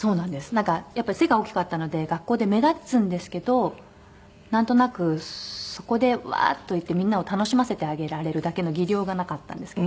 なんかやっぱり背が大きかったので学校で目立つんですけどなんとなくそこでワーッといってみんなを楽しませてあげられるだけの技量がなかったんですけど。